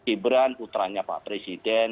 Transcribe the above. ibran putranya pak presiden